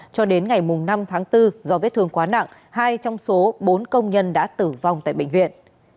cho đến ngày năm tháng bốn do vết thương quá nặng hai trong số bốn công nhân đã tử vong tại bệnh viện